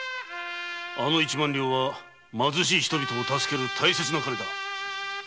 あの一万両は貧しい人々を助ける大切な金だ。